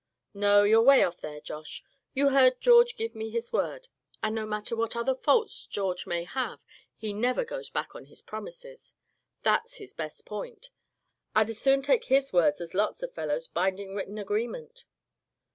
"No, you're way off there, Josh; you heard George give me his word; and no matter what other faults George may have, he never goes back on his promises. That's his best point. I'd as soon take his word as lots of fellows' binding written agreement."